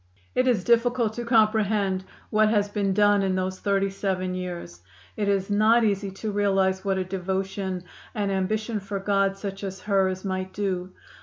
"It is difficult to comprehend what has been done in those thirty seven years. It is not easy to realize what a devotion, an ambition for God such as hers, might do.